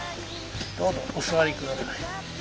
どうぞお座りください。